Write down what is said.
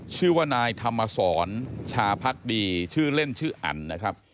ชื่อว่านายธรรมสรชาพักดีชื่อเล่นชื่ออันนะครับ